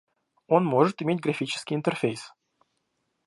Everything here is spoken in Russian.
Он может иметь графический интерфейс